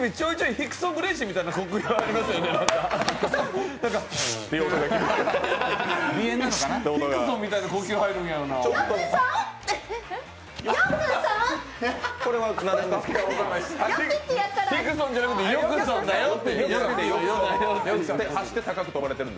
ヒクソンみたいな呼吸入るんやもん。